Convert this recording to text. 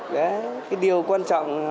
đấy cái điều quan trọng